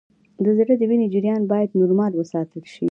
د زړه د وینې جریان باید نورمال وساتل شي